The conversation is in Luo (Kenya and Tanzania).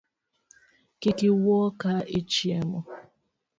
Kik iwuo ka ichiemo